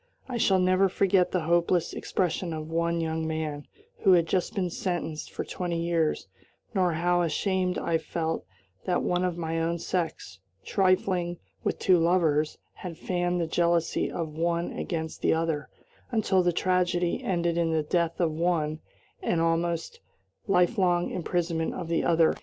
I shall never forget the hopeless expression of one young man, who had just been sentenced for twenty years, nor how ashamed I felt that one of my own sex, trifling with two lovers, had fanned the jealousy of one against the other, until the tragedy ended in the death of one and the almost lifelong imprisonment of the other.